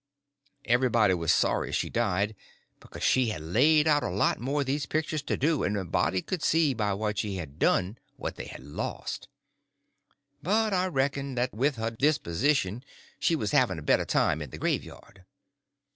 Everybody was sorry she died, because she had laid out a lot more of these pictures to do, and a body could see by what she had done what they had lost. But I reckoned that with her disposition she was having a better time in the graveyard.